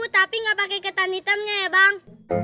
tapi gak pake ketan hitamnya ya bang